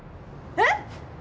えっ！